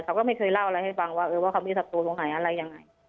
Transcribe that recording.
เขาก็ไม่เคยเล่าอะไรให้ฟังว่าว่าเขามีศัตรูตรงไหนอะไรยังไง